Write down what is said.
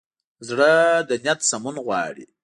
زړه د نیت سمون غواړي.